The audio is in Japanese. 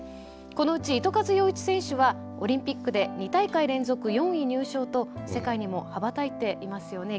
このうち糸数陽一選手はオリンピックで２大会連続４位入賞と世界にも羽ばたいていますよね。